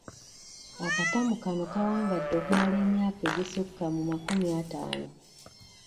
Akatamu kano kawangadde okumala emyaka egisukka mu makumi ataano.